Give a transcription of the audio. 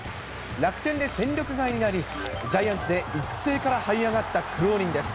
楽天で戦力外になり、ジャイアンツで育成からはい上がった苦労人です。